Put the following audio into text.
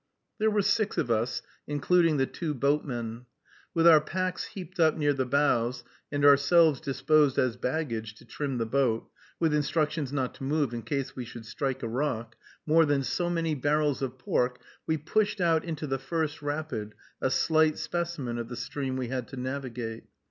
There were six of us, including the two boatmen. With our packs heaped up near the bows, and ourselves disposed as baggage to trim the boat, with instructions not to move in case we should strike a rock, more than so many barrels of pork, we pushed out into the first rapid, a slight specimen of the stream we had to navigate.